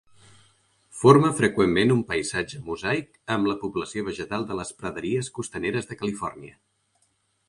Forma freqüentment un paisatge mosaic amb la població vegetal de les praderies costaneres de Califòrnia.